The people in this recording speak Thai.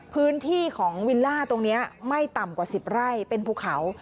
พื้นที่ของวิลล่าตรงนี้ไม่ต่ำกว่า๑๐ไร่เป็นภูเขา